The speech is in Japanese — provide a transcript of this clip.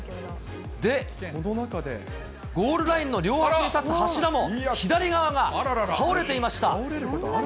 で、ゴールラインの両端に立つ柱も、左側が倒れていました。